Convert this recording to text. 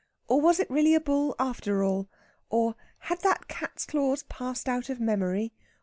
or, was it really a bull, after all? or, had that cat's claws passed out of memory?